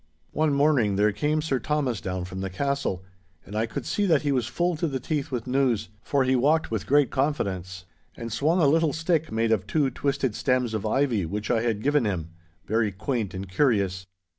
One morning there came Sir Thomas down from the castle, and I could see that he was full to the teeth with news, for he walked with great confidence, and swung a little stick made of two twisted stems of ivy which I had given him, very quaint and curious.